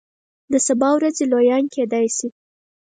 د سبا ورځې لویان کیدای شي.